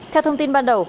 theo thông tin ban đầu